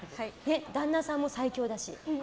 旦那さんも最強だし。